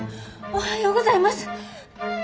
おはようございます。